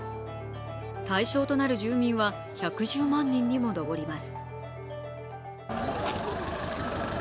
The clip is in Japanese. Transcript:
対象となる住民は１１０万人にも上ります。